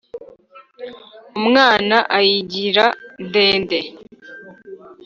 Umwana ayigira ndende,